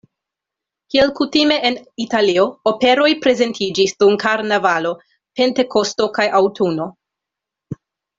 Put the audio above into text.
Kiel kutime en Italio, operoj prezentiĝis dum karnavalo, pentekosto kaj aŭtuno.